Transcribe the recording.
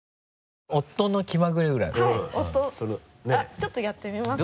ちょっとやってみますね。